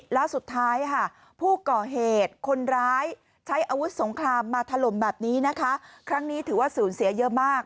แล้วสุดท้ายค่ะผู้ก่อเหตุคนร้ายใช้อาวุธสงครามมาถล่มแบบนี้นะคะครั้งนี้ถือว่าสูญเสียเยอะมาก